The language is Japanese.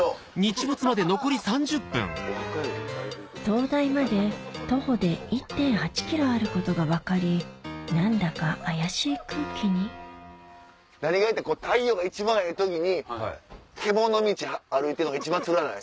灯台まで徒歩で１．８ｋｍあることが分かり何だか怪しい空気に何が嫌って太陽が一番ええ時に獣道歩いてるのが一番つらない？